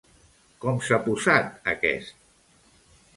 Com s'ha posat aquest?